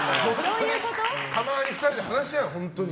たまに２人で話し合う。